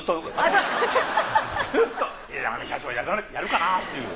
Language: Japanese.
枝豆社長やるかな？っていう。